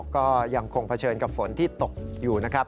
ก็ยังคงเผชิญกับฝนที่ตกอยู่นะครับ